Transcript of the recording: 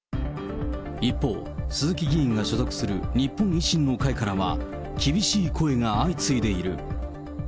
一方、鈴木議員が所属する日本維新の会からは、厳しい声が相次いでいる。